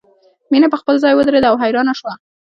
مینه په خپل ځای ودریده او حیرانه شوه